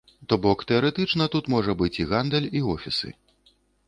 То бок, тэарэтычна тут можа быць і гандаль, і офісы.